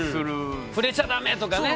触れちゃダメとかね？